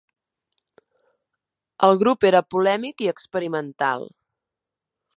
El grup era polèmic i experimental.